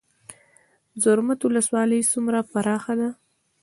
زرمت ولسوالۍ څومره پراخه ده؟